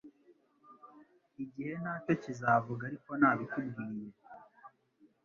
Igihe ntacyo kizavuga ariko nabikubwiye.